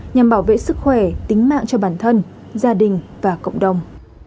nhằm bảo vệ sức khỏe tính mạng cho bản thân gia đình và cộng đồng